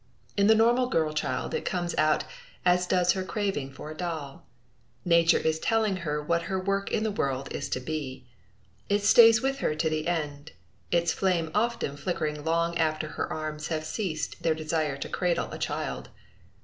In the normal girl child it comes out, as does her craving for a doll. Nature is telling her what her work in the world is to be. It stays with her to the end, its flame often flickering long after her arms have ceased their desire to cradle a child.